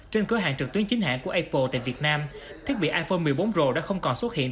trên cửa hàng trực tuyến chính hãng của apple tại việt nam thiết bị iphone một mươi bốn pro đã không còn xuất hiện